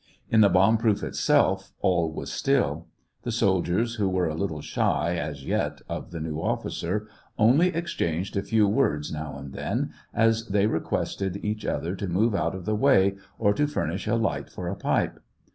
In the bomb proof itself all was still ; the soldiers, who were a little shy, as yet, of the new officer, only exchanged a few words, now and then, as they requested each other to move out of the way or to furnish a light for a pipe.